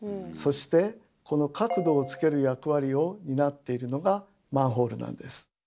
そしてこの角度をつける役割を担っているのがマンホールなんです。